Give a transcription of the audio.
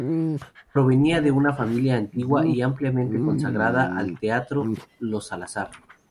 Provenía de una familia antigua y ampliamente consagrada al teatro, los Salazar.